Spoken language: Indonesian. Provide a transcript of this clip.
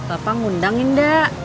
apa ngundangin dek